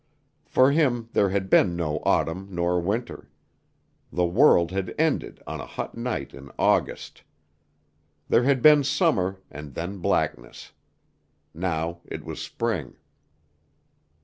For him there had been no autumn nor winter. The world had ended on a hot night in August. There had been summer, and then blackness. Now it was spring.